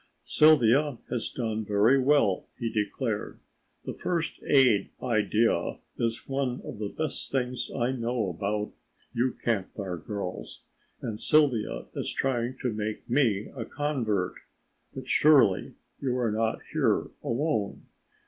"Sylvia has done very well," he declared. "The first aid idea is one of the best things I know about you Camp Fire girls, and Sylvia is trying to make me a convert, but surely you are not here alone.